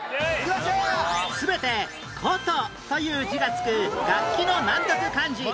全て「琴」という字がつく楽器の難読漢字